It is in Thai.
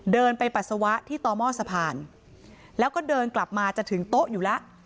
เดินไปปัสสาวะที่ต่อหม้อสะพานแล้วก็เดินกลับมาจะถึงโต๊ะอยู่แล้ว